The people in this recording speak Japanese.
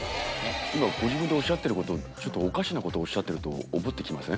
今ご自分でおっしゃってることちょっとおかしなことをおっしゃってると思ってきません？